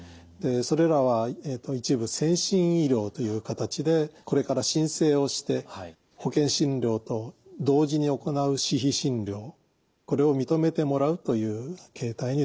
それらは一部先進医療という形でこれから申請をして保険診療と同時に行う私費診療これを認めてもらうという形態になると思います。